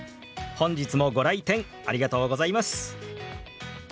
本日もご来店ありがとうございます！